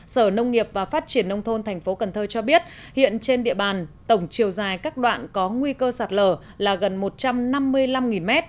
sở nông nghiệp và phát triển nông thôn thành phố cần thơ cho biết hiện trên địa bàn tổng chiều dài các đoạn có nguy cơ sạt lở là gần một trăm năm mươi năm m